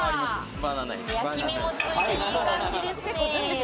焼き目もついて、いい感じですね。